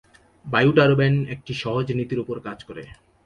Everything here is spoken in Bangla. বায়ু টারবাইন একটি সহজ নীতির উপর কাজ করে।